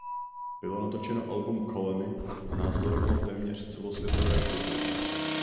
Bylo natočeno album "Colony" a následovalo téměř celosvětové turné.